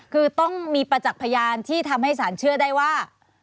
คือต้องมีประจักษ์พยานที่ทำให้สารเชื่อได้ว่า